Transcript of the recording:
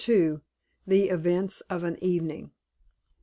THE EVENTS OF AN EVENING.